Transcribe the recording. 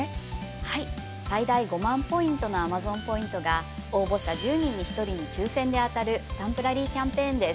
はい最大５万ポイントのＡｍａｚｏｎポイントが応募者１０人に１人に抽選で当たるスタンプラリーキャンペーンです。